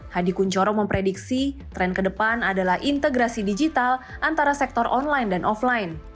hadi kunchoro memprediksi tren ke depan adalah integrasi digital antara sektor online dan offline